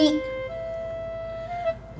kita dikasih tangan buat nyuci